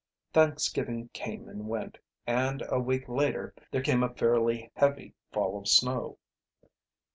Thanksgiving came and went, and a week later there came a fairly heavy fall of snow.